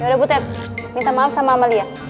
yaudah butet minta maaf sama amalia